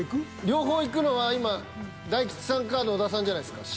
両方いくのは今大吉さんか野田さんじゃないですか？